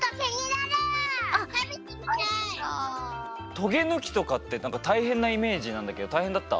トゲぬきとかってたいへんなイメージなんだけどたいへんだった？